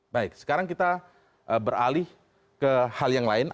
baik sekarang kita beralih ke hal yang lain